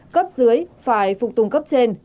cấp dưới phải phục tùng cấp trên